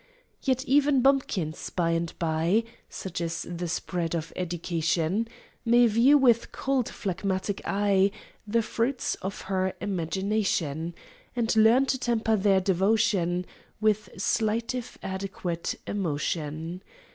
Yet even bumpkins, by and by, (Such is the spread of education) May view with cold, phlegmatic eye The fruits of her imagination, And learn to temper their devotion With slight, if adequate, emotion.